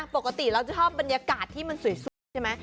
ปกติเราจะชอบบรรยากาศที่มันสวยใช่ไหม